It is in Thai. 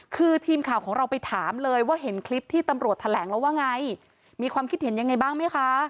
คือทีมข่าวของเราไปถามเลยว่าเห็นคลิปที่ตำรวจแถลงแล้วว่าไงมีความคิดเห็นยังไงบ้างไหมคะ